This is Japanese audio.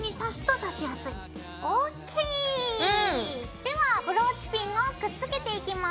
ではブローチピンをくっつけていきます。